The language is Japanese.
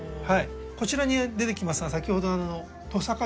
こちらに出てきますのが先ほどのトサカ